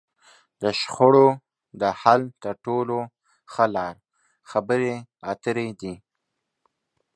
د شخړو د حل تر ټولو ښه لار؛ خبرې اترې دي.